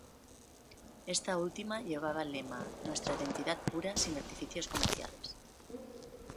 Esta última llevaba el lema: Nuestra identidad pura sin artificios comerciales.